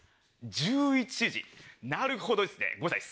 １１時なるほどですねごめんなさい